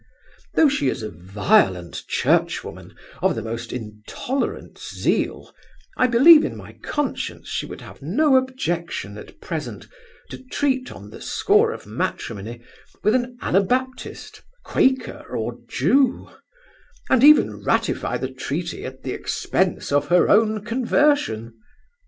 Though she is a violent church woman, of the most intolerant zeal, I believe in my conscience she would have no objection, at present, to treat on the score of matrimony with an Anabaptist, Quaker, or Jew; and even ratify the treaty at the expense of her own conversion.